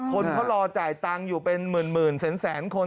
คนเขารอจ่ายตังค์อยู่เป็นหมื่นแสนคน